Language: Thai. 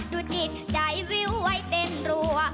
จิตใจวิวไว้เต้นรัว